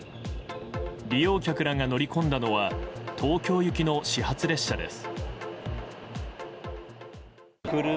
利用客らが乗り込んだのは東京行きの始発列車です。